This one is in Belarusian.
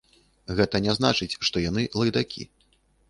Гэта не значыць, што яны лайдакі.